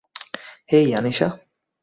হেই, Anisha.